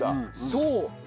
そう！